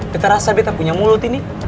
kita rasa kita punya mulut ini